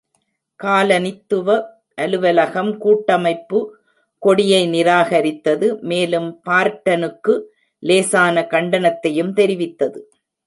காலனித்துவ அலுவலகம் கூட்டமைப்பு கொடியை நிராகரித்தது, மேலும் பார்ட்டனுக்கு லேசான கண்டனத்தையும் தெரிவித்தது.